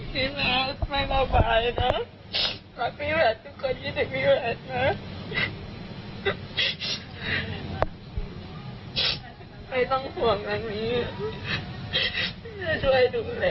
ไม่ต้องห่วงอะไรนะครับจะช่วยดูแลครอบครัวให้ด้วย